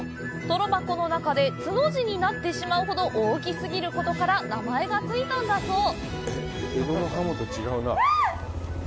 とろ箱の中で「つ」の字になってしまうほど大きすぎることから名前がついたんだそう。